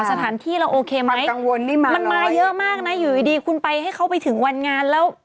สถานที่เราโอเคไหมมันมาเยอะมากนะอยู่ดีคุณไปให้เขาไปถึงวันงานแล้ว